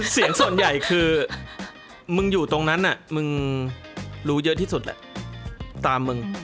เสียงส่วนใหญ่คือมึงอยู่ตรงนั้นมึงรู้เยอะที่สุดแหละตามมึง